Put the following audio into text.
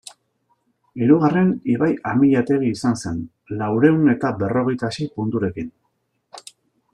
Hirugarren, Ibai Amillategi izan zen, laurehun eta berrogeita sei punturekin.